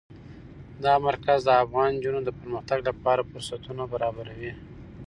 دا مرکز د افغان نجونو د پرمختګ لپاره فرصتونه برابروي.